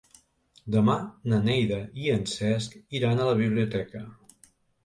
Demà na Neida i en Cesc iran a la biblioteca.